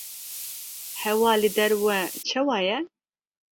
Hewa li derve çawa ye?